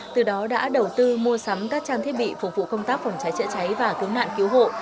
từ đó đã đầu tư mua sắm các trang thiết bị phục vụ công tác phòng cháy chữa cháy và cứu nạn cứu hộ